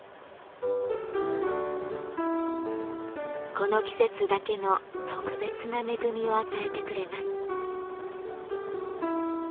この季節だけの特別な恵みを与えてくれます。